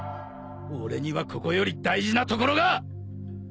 俺にはここより大事な所が。